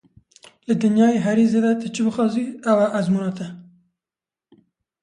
Li dinyayê herî zêde tu çi bixwazî, ew e ezmûna te.